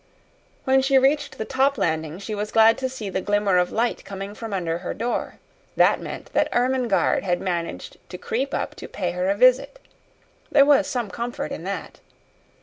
When she reached the top landing she was glad to see the glimmer of a light coming from under her door. That meant that Ermengarde had managed to creep up to pay her a visit. There was some comfort in that.